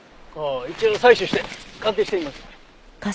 一応採取して鑑定してみます。